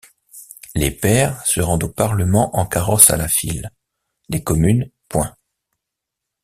Les pairs se rendent au parlement en carrosses à la file ; les communes, point.